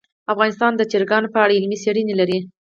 افغانستان د چرګان په اړه علمي څېړنې لري.